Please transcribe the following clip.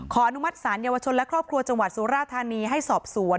อนุมัติศาลเยาวชนและครอบครัวจังหวัดสุราธานีให้สอบสวน